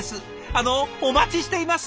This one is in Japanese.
あのお待ちしています！